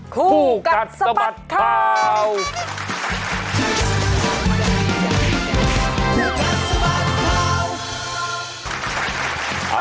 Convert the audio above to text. คู่กัดสะบัดข่าวคู่กัดสะบัดข่าว